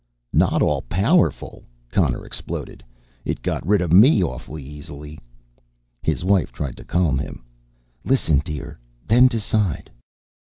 "Not all powerful!" Connor exploded. "It got rid of me awfully easily." His wife tried to calm him. "Listen, dear, then decide."